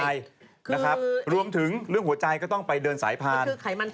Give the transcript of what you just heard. ตัวไม่ดีแต่บางคนร่างกายไบบางคนเผาผ่าน